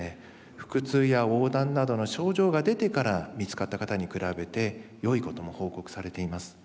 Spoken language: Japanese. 腹痛や黄疸などの症状が出てから見つかった方に比べて良いことも報告されています。